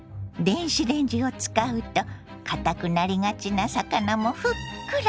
電子レンジを使うとかたくなりがちな魚もふっくら。